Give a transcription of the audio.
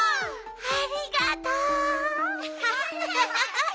ありがとう！